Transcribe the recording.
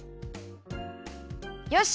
よし！